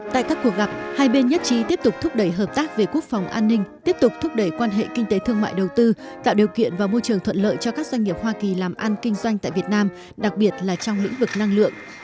tại các cuộc gặp hai bên nhất trí tiếp tục thúc đẩy hợp tác về quốc phòng an ninh tiếp tục thúc đẩy quan hệ kinh tế thương mại đầu tư tạo điều kiện và môi trường thuận lợi cho các doanh nghiệp hoa kỳ làm ăn kinh doanh tại việt nam đặc biệt là trong lĩnh vực năng lượng